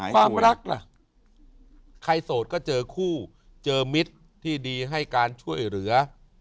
ความรักล่ะใครโสดก็เจอคู่เจอมิตรที่ดีให้การช่วยเหลือ